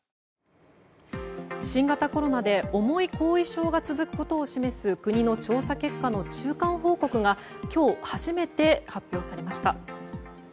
新型コロナで重い後遺症が続くことを示す国の調査結果の中間報告が今日初めて発表されました。